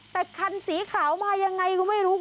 แต่คันสีขาวมายังไงก็ไม่รู้